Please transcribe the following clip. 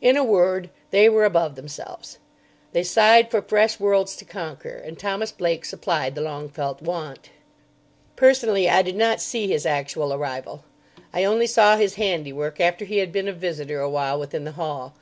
In a word, they were above themselves. They sighed for fresh worlds to conquer. And Thomas Blake supplied the long felt want. Personally, I did not see his actual arrival. I only saw his handiwork after he had been a visitor awhile within the hall.